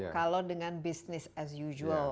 kalau dengan business as usual